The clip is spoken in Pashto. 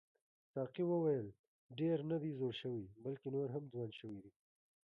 ساقي وویل ډېر نه دی زوړ شوی بلکې نور هم ځوان شوی دی.